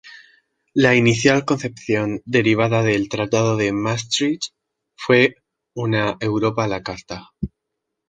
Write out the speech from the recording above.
La inicial concepción derivada del Tratado de Maastricht fue una "Europa a la carta".